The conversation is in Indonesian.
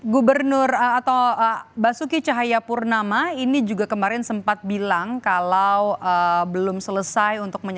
gubernur atau basuki cahayapurnama ini juga kemarin sempat bilang kalau belum selesai